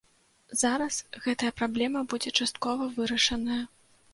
Зараз гэтая праблема будзе часткова вырашаная.